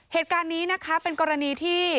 เหตุการณ์นี้นะคะเป็นกรณีที่